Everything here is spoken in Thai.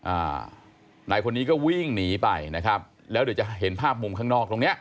อ่านายคนนี้ก็วิ่งหนีไปนะครับแล้วเดี๋ยวจะเห็นภาพมุมข้างนอกตรงเนี้ย